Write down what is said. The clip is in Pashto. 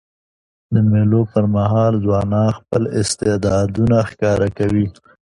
د مېلو پر مهال ځوانان خپل استعدادونه ښکاره کوي.